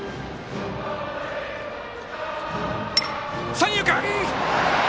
三遊間！